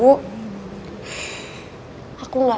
aku gak bisa menangani ibu